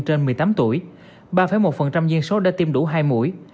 trên một mươi tám tuổi ba một dân số đã tiêm đủ hai mũi